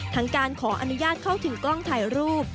การขออนุญาตเข้าถึงกล้องถ่ายรูป